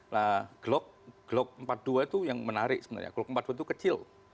nah glock empat puluh dua itu yang menarik sebenarnya glock empat puluh dua itu kecil